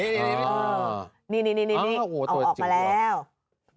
เฮ้ยนี่อ๋อออกมาแล้วงั้นโอ้โหตัวจริงก่อน